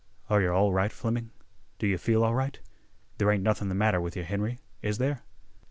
"Are yeh all right, Fleming? Do yeh feel all right? There ain't nothin' th' matter with yeh, Henry, is there?"